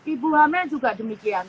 ibu hamil juga demikian